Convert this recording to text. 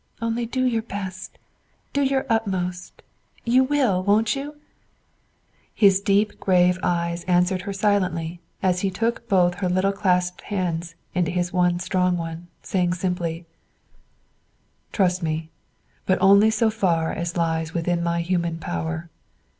Only do your best, do your utmost; you will, won't you?" His deep, grave eyes answered her silently as he took both her little clasped hands in his one strong one, saying simply, "Trust me, but only so far as lies within my human power.